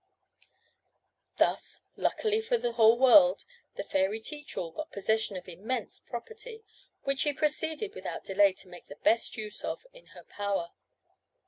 Thus, luckily for the whole world, the fairy Teach all got possession of immense property, which she proceeded without delay to make the best use of in her power.